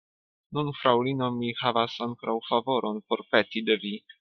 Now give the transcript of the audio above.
Nun, fraŭlino, mi havas ankoraŭ favoron por peti de vi.